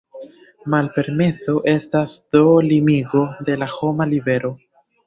Malpermeso estas do limigo de la homa libero.